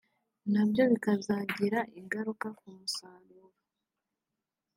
nabyo bikazagira ingaruka ku musaruro